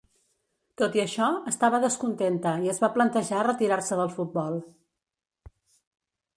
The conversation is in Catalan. Tot i això, estava descontenta i es va plantejar retirar-se del futbol.